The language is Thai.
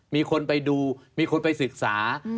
มีคนไปดูมีคนไปศึกษา